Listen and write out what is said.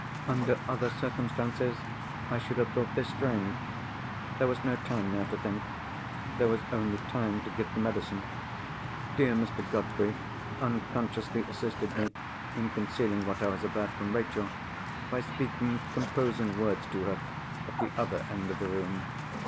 Under other circumstances, I should have thought this strange. There was no time now to think—there was only time to give the medicine. Dear Mr. Godfrey unconsciously assisted me in concealing what I was about from Rachel, by speaking composing words to her at the other end of the room.